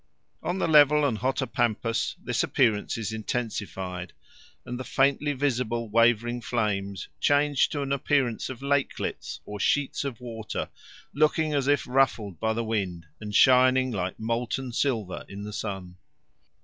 On the level and hotter pampas this appearance is intensified, and the faintly visible wavering flames change to an appearance of lakelets or sheets of water looking as if ruffled by the wind and shining like molten silver in the sun.